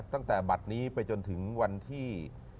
ตั้งแต่บัตรนี้ไปจนถึงวันที่